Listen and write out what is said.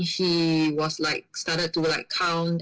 แล้วเขาเริ่มคุกคัน